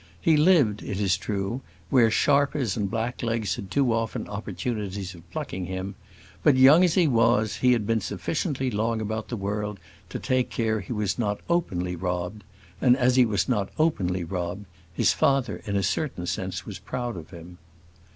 He lived, it is true, where sharpers and blacklegs had too often opportunities of plucking him; but, young as he was, he had been sufficiently long about the world to take care he was not openly robbed; and as he was not openly robbed, his father, in a certain sense, was proud of him.